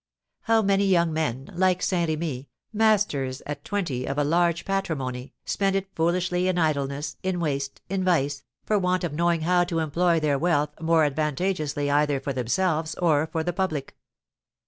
How many young men, like Saint Remy, masters at twenty of a large patrimony, spend it foolishly in idleness, in waste, in vice, for want of knowing how to employ their wealth more advantageously either for themselves or for the public.